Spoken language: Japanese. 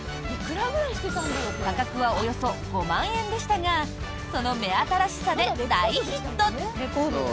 価格はおよそ５万円でしたがその目新しさで大ヒット。